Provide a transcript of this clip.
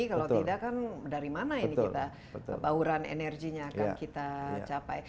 kalau tidak kan dari mana ini kita bauran energinya akan kita capai